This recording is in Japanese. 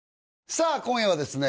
さあ今夜はですね